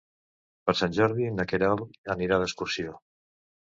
Per Sant Jordi na Queralt anirà d'excursió.